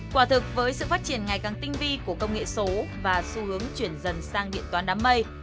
quả thực với sự phát triển ngày càng tinh vi của công nghệ số và xu hướng chuyển dần sang điện toán đám mây